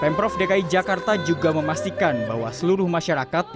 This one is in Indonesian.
pemprov dki jakarta juga memastikan bahwa seluruh masyarakat